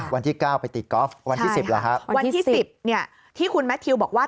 วันที่เก้าไปติดกอล์ฟวันที่๑๐เหรอฮะวันที่สิบเนี่ยที่คุณแมททิวบอกว่า